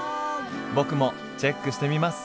僕もチェックしてみます！